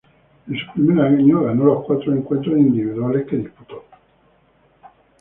En su primer año ganó los cuatro encuentros individuales que disputó.